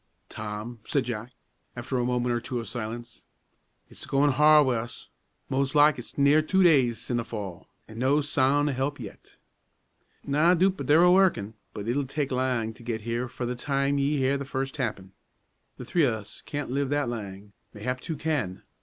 "Tom," said Jack, after a moment or two of silence, "it's a goin' hard wi' us. Mos' like it's near two days sin' the fall, an' no soun' o' help yet. Na doot but they're a workin', but it'll tak' lang to get here fra the time ye hear the first tappin'. The three o' us can't live that lang; mayhap two can.